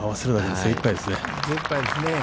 精いっぱいですね。